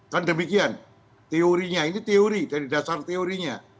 kan demikian teorinya ini teori dari dasar teorinya